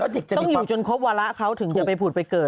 เด็กจะต้องอยู่จนครบวาระเขาถึงจะไปผุดไปเกิด